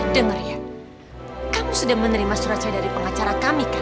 dengar ya kamu sudah menerima surat saya dari pengacara kami